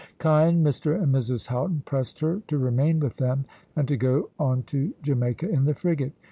Kind Mr and Mrs Houghton pressed her to remain with them, and to go on to Jamaica in the frigate.